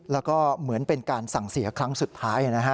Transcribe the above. แล้วก็เหมือนเป็นการสั่งเสียครั้งสุดท้ายนะฮะ